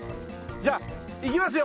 じゃあいきますよ！